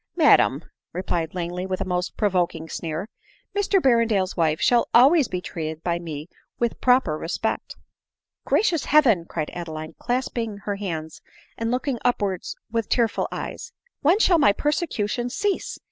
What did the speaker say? "Madam," replied Langley with a most provoking sneer, "MrBerrendale's wife shall always be treated by me with proper respect." " Gracious Heaven !" cried Adeline, clasping her hands and looking upwards with tearful eyes, " when shall my persecutions cease